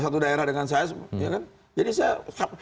satu daerah dengan saya jadi saya